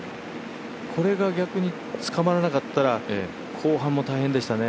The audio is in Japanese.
これが逆につかまらなかったら後半も大変でしたね。